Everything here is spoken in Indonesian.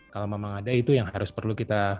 kalau memang ada itu yang harus perlu kita